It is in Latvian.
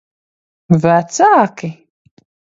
Vecāki?